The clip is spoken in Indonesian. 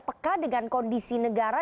apakah dengan kondisi negara